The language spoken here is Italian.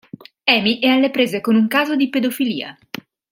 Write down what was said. Amy è alle prese con un caso di pedofilia.